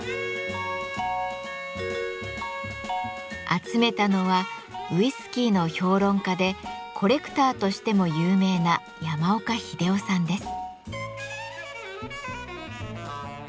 集めたのはウイスキーの評論家でコレクターとしても有名な山岡秀雄さんです。